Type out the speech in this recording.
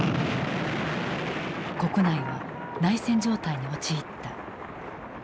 国内は内戦状態に陥った。